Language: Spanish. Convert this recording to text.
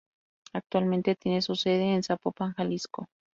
Actualmente tiene su sede en Zapopan, Jalisco.